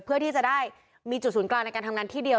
เพื่อที่จะได้มีจุดศูนย์กลางในการทำงานที่เดียว